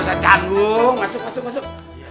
bisa canggung masuk masuk masuk